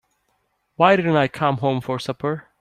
Why didn't I come home for supper?